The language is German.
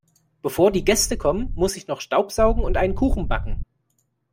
Bevor die Gäste kommen, muss ich noch staubsaugen und einen Kuchen backen.